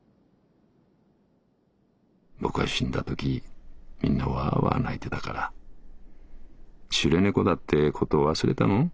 「ボクが死んだときみんなわぁわぁ泣いてたから『シュレ猫だってこと忘れたの？